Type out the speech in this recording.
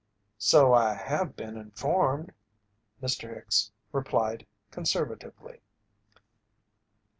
"So I have been informed," Mr. Hicks replied, conservatively.